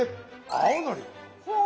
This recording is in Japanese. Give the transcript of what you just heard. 青のり。